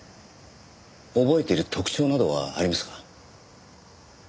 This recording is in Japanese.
覚えている特徴などはありますか？